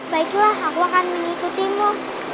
baiklah aku akan mengikutimu